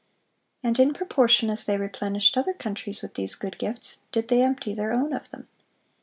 And in proportion as they replenished other countries with these good gifts, did they empty their own of them.